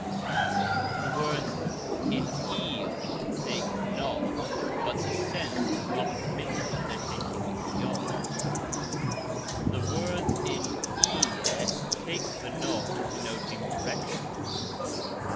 The words in "io" take "n", but the sense does not permit of their taking "j". The words in "ie" take the "n" denoting direction.